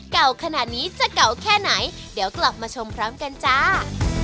เก่าขนาดนี้จะเก่าแค่ไหนเดี๋ยวกลับมาชมพร้อมกันจ้า